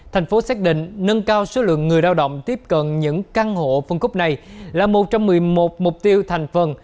tp xác định nâng cao số lượng người đao động tiếp cận những căn hộ phân khúc này là một trong một mươi một mục tiêu thành phần